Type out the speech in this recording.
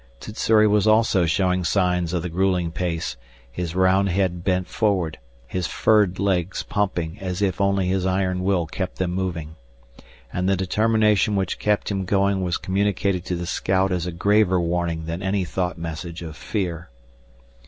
Sssuri was also showing signs of the grueling pace, his round head bent forward, his furred legs pumping as if only his iron will kept them moving. And the determination which kept him going was communicated to the scout as a graver warning than any thought message of fear.